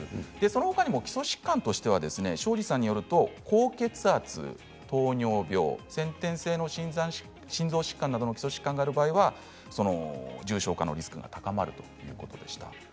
そのほかにも基礎疾患庄司さんによると、高血圧糖尿病、先天性の心臓疾患などの基礎疾患がある場合は重症化のリスクが高まるということでした。